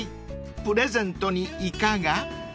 ［プレゼントにいかが？］